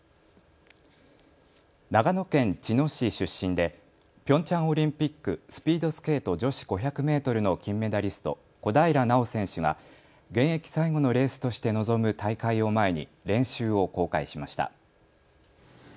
長野県茅野市出身でピョンチャンオリンピック、スピードスケート女子５００メートルの金メダリスト、小平奈緒選手が現役最後のレースとして臨む大会を前に練習を公開しました。